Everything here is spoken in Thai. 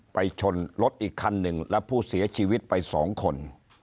ชนรถอีกคันหนึ่งและผู้เสียชีวิตไป๒คน